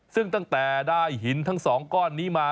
ซึ่งตั้งแต่ได้หินทั้ง๒ก้อนนี้มา